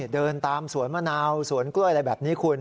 เดินตามสวนมะนาวสวนกล้วยอะไรแบบนี้คุณ